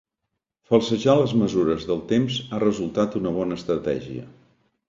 Falsejar les mesures del temps ha resultat una bona estratègia.